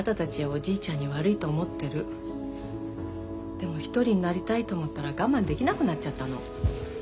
でも一人になりたいと思ったら我慢できなくなっちゃったの。